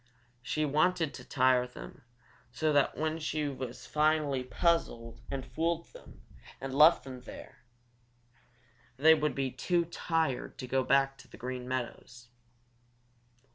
She wanted to tire them so that when she finally puzzled and fooled them and left them there, they would be too tired to go back to the Green Meadows.